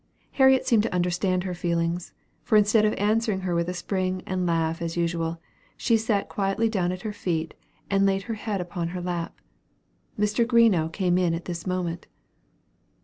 Harriet seemed to understand her feelings; for instead of answering her with a spring and laugh as usual, she sat quietly down at her feet, and laid her head on her lap. Mr. Greenough came in at this moment.